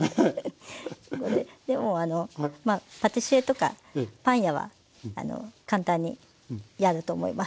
これでもあのまあパティシエとかパン屋は簡単にやると思います。